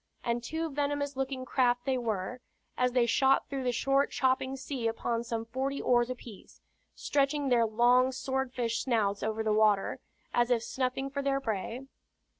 And two venomous looking craft they were, as they shot through the short chopping sea upon some forty oars apiece, stretching their long sword fish snouts over the water, as if snuffing for their prey.